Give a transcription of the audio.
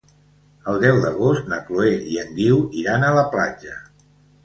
El deu d'agost na Chloé i en Guiu iran a la platja.